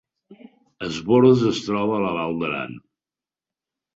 Es Bòrdes es troba a la Val d’Aran